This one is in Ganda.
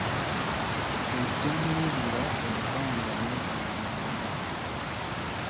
Bw'ejja n’ebula ebbanga mwezi mulamba.